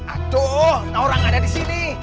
aduh kenapa orang gak ada disini